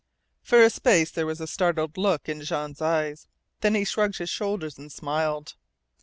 For a space there was a startled look in Jean's eyes. Then he shrugged his shoulders and smiled.